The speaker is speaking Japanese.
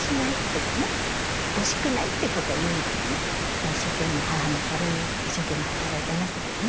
まあ一生懸命母のために一生懸命働いてましたけどね